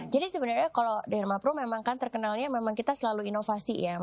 jadi sebenarnya kalau derma pro terkenalnya kita selalu inovasi ya